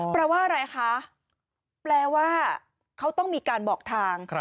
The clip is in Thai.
แปลว่าอะไรคะแปลว่าเขาต้องมีการบอกทาง